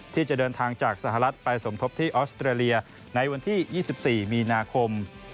ที่จะเดินทางจากสหรัฐไปสมทบที่ออสเตรเลียในวันที่๒๔มีนาคม